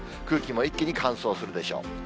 空気も一気に乾燥するでしょう。